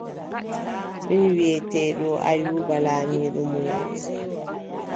Min wiʼeteeɗo Ayuuba laamiɗo munyal.